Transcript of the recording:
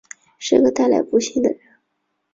是个带来不幸的人